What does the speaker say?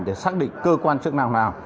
để xác định cơ quan chức năng nào